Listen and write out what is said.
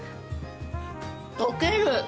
溶ける。